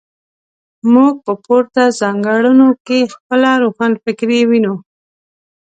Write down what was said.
موږ په پورته ځانګړنو کې خپله روښانفکري وینو.